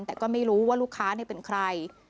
แต่ก็ไม่รู้ว่าลูกค้าเป็นใคร